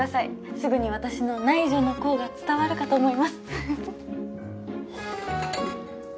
すぐに私の内助の功が伝わるかと思います